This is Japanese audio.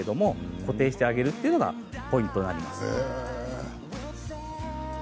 固定してあげるのがポイントになります。